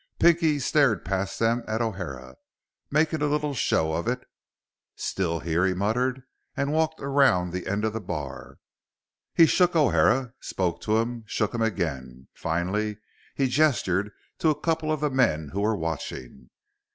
Pinky stared past them at O'Hara, making a little show of it. "Still here," he muttered and walked around the end of the bar. He shook O'Hara, spoke to him, shook him again. Finally, he gestured to a couple of the men who were watching.